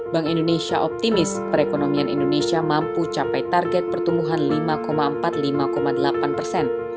bank indonesia optimis perekonomian indonesia mampu capai target pertumbuhan lima empat puluh lima delapan persen